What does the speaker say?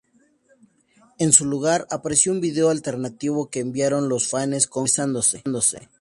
En su lugar, apareció un video alternativo que enviaron los fanes con gente besándose.